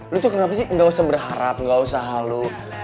lo tuh kenapa sih gak usah berharap gak usah hal lo